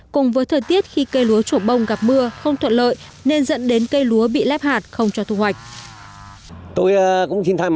cùng với thời tiết khi cây lúa chỗ bông gặp mưa không thuận lợi nên dẫn đến cây lúa bị lép hạt không cho thu hoạch